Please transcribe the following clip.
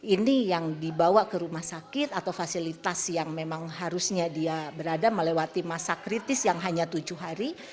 ini yang dibawa ke rumah sakit atau fasilitas yang memang harusnya dia berada melewati masa kritis yang hanya tujuh hari